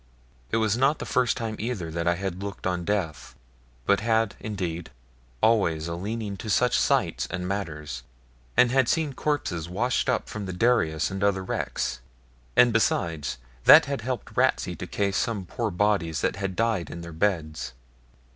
It was not the first time either that I had looked on death; but had, indeed, always a leaning to such sights and matters, and had seen corpses washed up from the Darius and other wrecks, and besides that had helped Ratsey to case some poor bodies that had died in their beds.